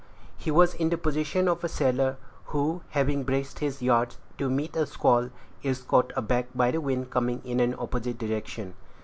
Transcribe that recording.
He was in the position of a sailor, who, having braced his yards to meet a squall, is caught aback by the wind coming in an opposite direction.